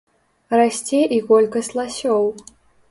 Расце і колькасць ласёў.